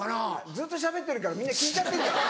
ずっとしゃべってるからみんな聞いちゃってんじゃない？